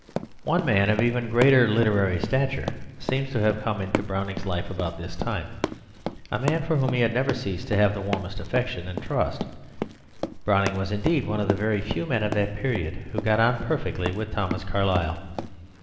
One man of even greater literary stature seems to have come into Browning's life about this time, a man for whom he never ceased to have the warmest affection and trust. Browning was, indeed, one of the very few men of that period who got on perfectly with Thomas Carlyle.